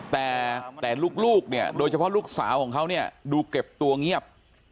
แต่ลูกเนี่ยโดยเฉพาะลูกสาวของเขาเนี่ยดูเก็บตัวเงียบ